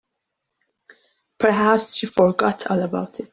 Perhaps she forgot all about it.